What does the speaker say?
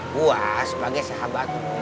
gue sebagai sahabat lo